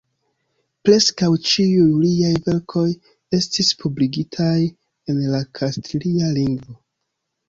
Preskaŭ ĉiuj liaj verkoj estis publikigitaj en la kastilia lingvo.